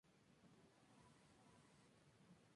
Nos sentimos bendecidos".